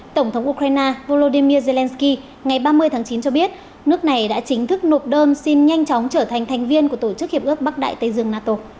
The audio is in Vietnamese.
tổng thống ukraine volodymyr zelensky ngày ba mươi tháng chín cho biết nước này đã chính thức nộp đơn xin nhanh chóng trở thành thành viên của tổ chức hiệp ước bắc đại tây dương nato